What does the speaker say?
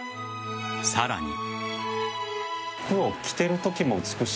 さらに。